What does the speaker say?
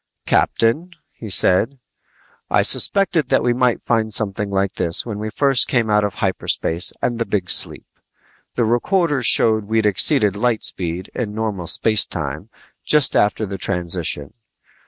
"Captain," he said, "I suspected that we might find something like this when we first came out of hyperspace and the big sleep. The recorders showed we'd exceeded light speed in normal space time just after the transition.